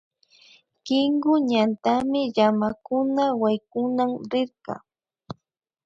Kinku ñantami llamakuna waykunan rirka